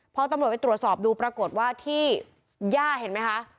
พอตำรวจไปตรวจสอบดูปรากฏว่าที่ย่าเห็นไหมคะ